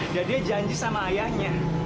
dan dia janji sama ayahnya